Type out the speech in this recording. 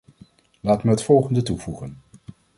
Laat me het volgende toevoegen.